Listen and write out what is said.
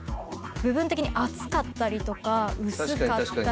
部分的に厚かったりとか薄かったりとか。